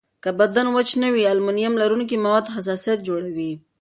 که بدن وچ نه وي، المونیم لرونکي مواد حساسیت جوړوي.